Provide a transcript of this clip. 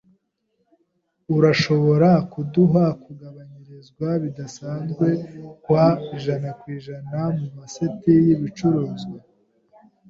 Urashobora kuduha kugabanyirizwa bidasanzwe kwa % kumaseti yibicuruzwa?